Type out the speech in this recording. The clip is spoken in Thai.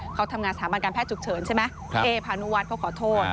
เขาทำงานสถาบันการแพทย์ฉุกเฉินใช่ไหมเอ๊พานุวัฒน์เขาขอโทษ